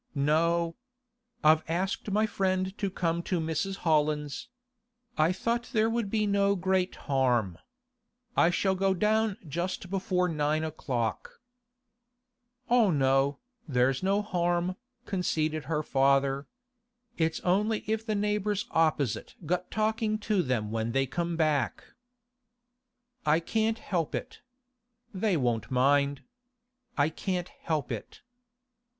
'No. I've asked my friend to come to Mrs. Holland's. I thought there would be no great harm. I shall go down just before nine o'clock.' 'Oh no, there's no harm,' conceded her father. 'It's only if the neighbours opposite got talkin' to them when they come back.' 'I can't help it. They won't mind. I can't help it.